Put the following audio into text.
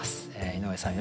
井上さん